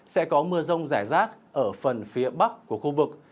sẽ có mưa rông rải rác ở phần phía bắc của khu vực